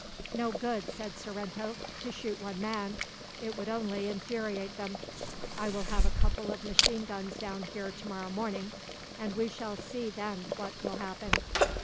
"No good," said Sorrento, "to shoot one man; it would only infuriate them. I will have a couple of machine guns down here to morrow morning, and we shall see then what will happen."